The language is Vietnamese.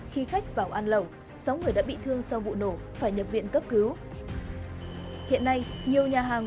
khi khách vào ăn lẩu sáu người đã bị thương sau vụ nổ phải nhập viện cấp cứu hiện nay nhiều nhà hàng